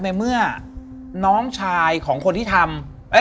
ในเมื่อน้องชายของคนที่ทำ